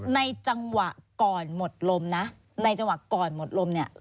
ในจังหวะก่อนหมดลมนะในจังหวะก่อนหมดลมเนี่ย